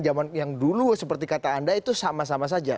zaman yang dulu seperti kata anda itu sama sama saja